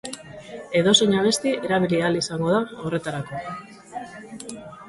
Edozein abesti erabili ahal izango da horretarako.